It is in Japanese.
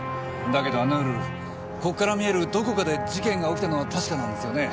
だけどあの夜こっから見えるどこかで事件が起きたのは確かなんですよね。